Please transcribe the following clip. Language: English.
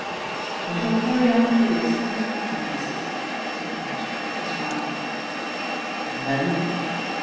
"I shall carry on to the extent of my finances." •aid Bcresford with a smile. "And then?"